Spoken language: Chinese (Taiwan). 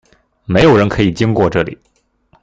沒有人可以經過這裡！